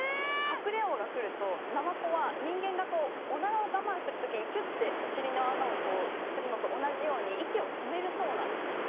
カクレウオが来るとナマコは人間がこうおならを我慢する時にキュッてお尻の穴をこうするのと同じように息を止めるそうなんですよ。